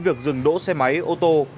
việc dừng đỗ xe máy ô tô